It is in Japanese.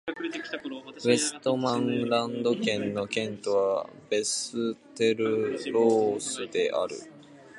ヴェストマンランド県の県都はヴェステロースである